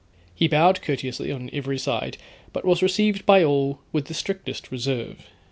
He bowed courteously on every side, but was received by all with the strictest reserve.